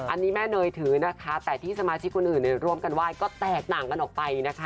อันนี้แม่เนยถือนะคะแต่ที่สมาชิกคนอื่นร่วมกันไหว้ก็แตกต่างกันออกไปนะคะ